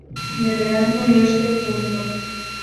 Deberán unirse junto